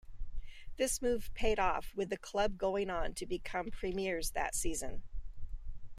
This move paid off with the club going on to become premiers that season.